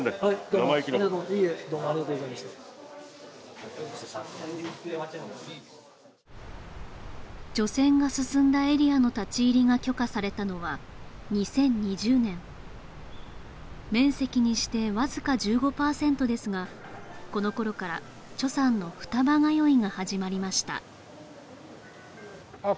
生意気なこといいえどうもありがとうございました除染が進んだエリアの立ち入りが許可されたのは２０２０年面積にしてわずか１５％ですがこの頃からさんの双葉通いが始まりましたあっ